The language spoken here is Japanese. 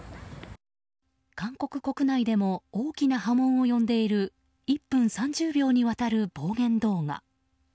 韓国国内でも大きな波紋を呼んでいる１分３０秒による暴言動画。